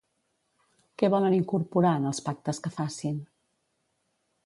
Què volen incorporar en els pactes que facin?